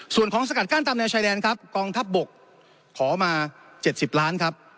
ส่วนของสกัดกั้นตามแนวชายแดนครับกองทัพบกขอมา๗๐ล้านครับ